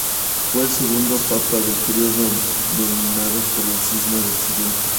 Fue el segundo papa del periodo dominado por el Cisma de Occidente.